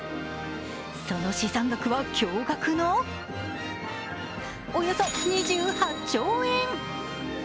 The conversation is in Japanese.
その資産額は驚がくのおよそ２８兆円。